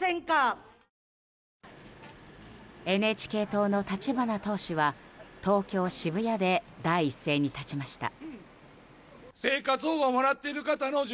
ＮＨＫ党の立花党首は東京・渋谷で第一声に立ちました。